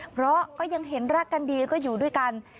เพราะก็ยังเห็นรักกันดีก็อยู่ด้วยกัน